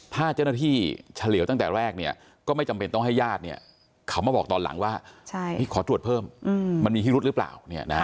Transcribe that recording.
ถ้าเจ้าหน้าที่เฉลี่ยวตั้งแต่แรกก็ไม่จำเป็นต้องให้ญาติเขามาบอกตอนหลังว่าขอตรวจเพิ่มมันมีพิรุธหรือเปล่า